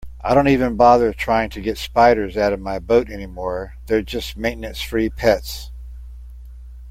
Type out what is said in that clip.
I don't even bother trying to get spiders out of my boat anymore, they're just maintenance-free pets.